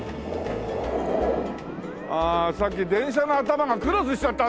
ああさっき電車の頭がクロスしちゃった